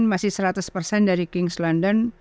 masih seratus dari king s london